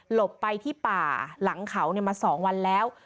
ไปที่ป่าหลังเขามา๒วันแล้ว